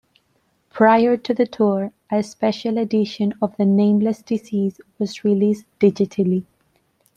Prior to the tour, a special edition of "The Nameless Disease" was released digitally.